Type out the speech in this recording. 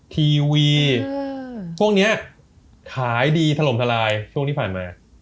ทีวีช่วงนี้ขายดีถล่มทลายช่วงที่ผ่านมา